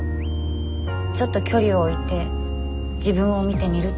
ちょっと距離置いて自分を見てみるってこと。